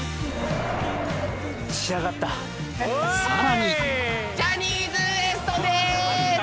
仕上がったさらにジャニーズＷＥＳＴです！